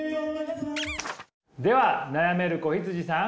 では悩める子羊さん。